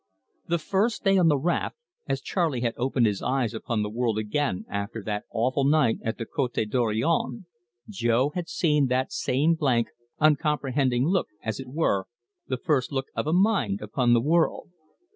The first day on the raft, as Charley had opened his eyes upon the world again after that awful night at the Cote Dorion, Jo. had seen that same blank uncomprehending look as it were, the first look of a mind upon the world.